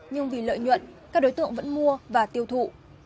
nhưng vì lợi nhuận các đối tượng vẫn mua và tiêu thụ